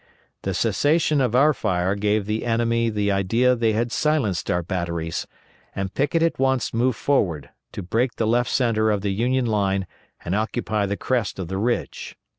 The cessation of our fire gave the enemy the idea they had silenced our batteries, and Pickett at once moved forward, to break the left centre of the Union line and occupy the crest of the ridge.